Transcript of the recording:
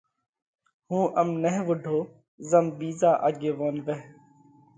هُون ام نھ وُوڍو زم ٻِيزا آڳيوون وئھ۔